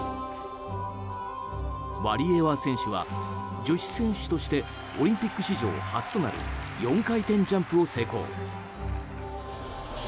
ワリエワ選手は女子選手としてオリンピック史上初となる４回転ジャンプを成功。